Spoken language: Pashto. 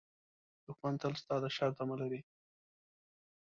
دښمن تل ستا د شر تمه لري